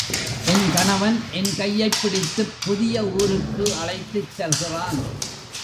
என் கணவன் என் கையைப் பிடித்துப் புதிய ஊருக்கு அழைத்துச் செல்கிறான்.